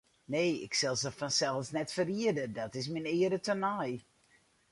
Nee, ik sil se fansels net ferriede, dat is myn eare tenei.